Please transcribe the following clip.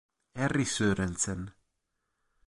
Harry Sørensen